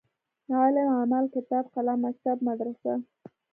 علم ،عمل ،کتاب ،قلم ،مکتب ،مدرسه